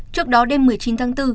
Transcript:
trước đó đêm một mươi chín tháng bốn